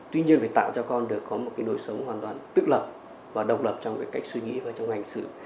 tuy nhiên phải tạo cho con được có một đối sống hoàn toàn tức lập và độc lập trong cách suy nghĩ và trong hành xử